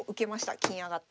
金上がって。